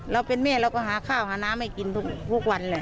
เราเป็นแม่เราก็หาข้าวหาน้ำให้กินทุกวันแหละ